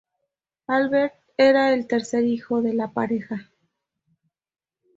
Albert era el tercer hijo de la pareja.